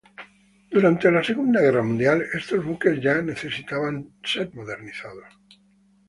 Durante la Segunda Guerra Mundial, estos buques ya necesitaban ser modernizados.